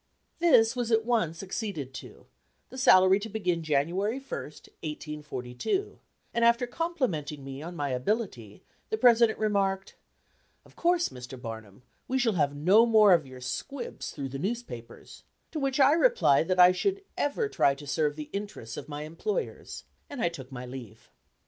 This was at once acceded to, the salary to begin January 1, 1842, and after complimenting me on my ability, the president remarked: "Of course, Mr. Barnum, we shall have no more of your squibs through the newspapers" to which I replied that I should "ever try to serve the interests of my employers," and I took my leave.